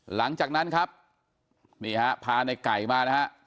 หลังจากนั้นครับนี่ฮะพาในไก่มานะฮะ